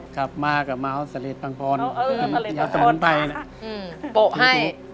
ครับมากอะมาเขาเสล็ดปังพรเอาตรงนั้นไปนะ